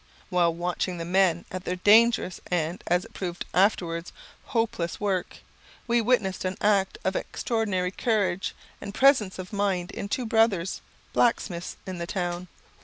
While watching the men at their dangerous, and, as it proved afterwards, hopeless work, we witnessed an act of extraordinary courage and presence of mind in two brothers, blacksmiths in the town.